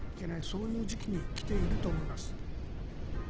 そういう時期に来ていると思います。